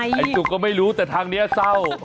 ไอ้จุกก็ไม่รู้แต่ทางนี้เศร้า